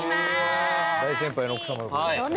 大先輩の奥様。